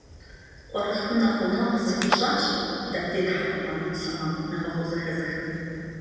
Къуэрылъхум нэхъ гъунэгъу зыхуищӀащ дадэ и тхьэкӀумэ сэмэгу нэхъыфӀу зэхэзыхым.